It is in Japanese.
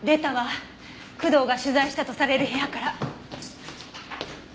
工藤が取材したとされる部屋から。